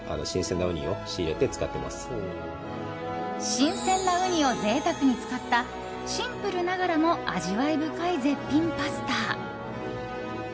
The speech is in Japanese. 新鮮なウニを贅沢に使ったシンプルながらも味わい深い絶品パスタ。